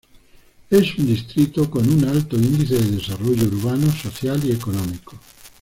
Es un distrito con un alto índice de desarrollo urbano, social y económico.